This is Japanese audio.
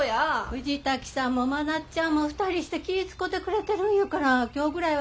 藤滝さんも真夏ちゃんも２人して気ぃ遣うてくれてるんやから今日ぐらいは行きますよ。